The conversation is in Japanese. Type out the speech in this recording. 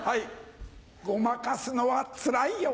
ごまかすのはつらいよ。